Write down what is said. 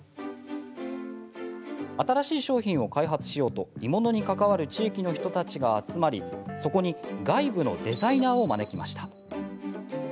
新しい商品を開発しようと鋳物に関わる地域の人たちが集まり、そこに外部のデザイナーを招きました。